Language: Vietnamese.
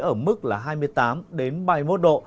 ở mức là hai mươi tám ba mươi một độ